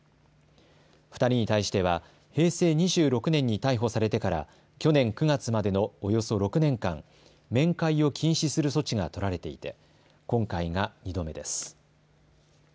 ２人に対しては平成２６年に逮捕されてから去年９月までのおよそ６年間、面会を禁止する措置が取られていて今回が２度目です。